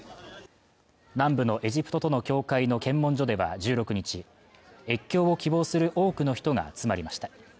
南部のエジプトとの境界の検問所では１６日越境を希望する多くの人が集まりました